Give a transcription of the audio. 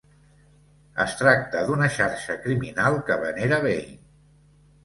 Es tracta d'una xarxa criminal que venera Bane.